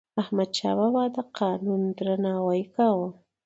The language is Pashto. احمدشاه بابا د قانون درناوی کاوه.